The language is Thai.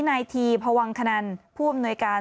นายทีพวังขนันผู้อำนวยการ